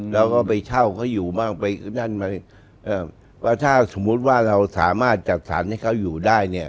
เราก็ไปเช่าเขาอยู่มากไปว่าถ้าสมมุติว่าเราสามารถจัดสรรให้เขาอยู่ได้